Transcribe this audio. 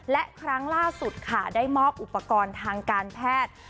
และครั้งล่าสุดค่ะได้มอบอุปกรณ์ทางการแพทย์